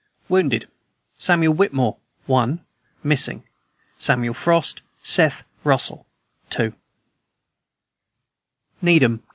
Wounded: Samuel Whittemore, 1. Missing: Samuel Frost, Seth Russell, 2. NEEDHAM.